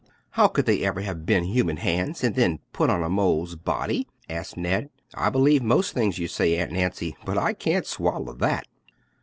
"How could they ever have been human hands and then been put on a mole's body?" asked Ned. "I believe most things you say, Aunt Nancy, but I can't swallow that."